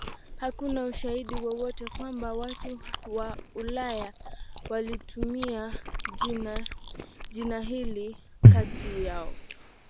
Hakuna ushahidi wowote kwamba watu wa Ulaya walitumia jina hili kati yao.